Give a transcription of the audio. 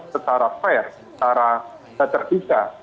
secara fair secara terpisah